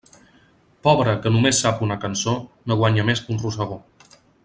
Pobre que només sap una cançó no guanya més que un rosegó.